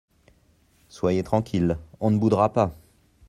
Soyez tranquille… on ne boudera pas !